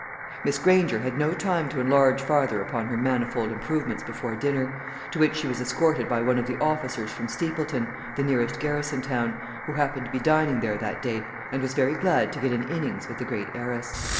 Miss Granger had no time to enlarge farther upon her manifold improvements before dinner, to which she was escorted by one of the officers from Steepleton, the nearest garrison town, who happened to be dining there that day, and was very glad to get an innings with the great heiress.